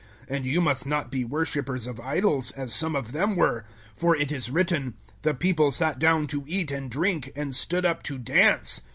010:007 And you must not be worshippers of idols, as some of them were. For it is written, "The People sat down to eat and drink, and stood up to dance."